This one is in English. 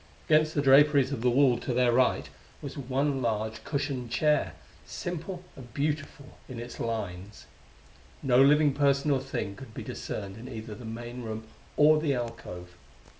Against the draperies of the wall to their right was one large cushioned chair, simple and beautiful in its lines. No living person or thing could be discerned in either the main room or the alcove.